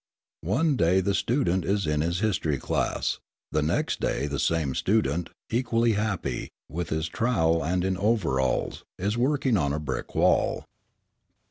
One day the student is in his history class. The next day the same student, equally happy, with his trowel and in overalls, is working on a brick wall.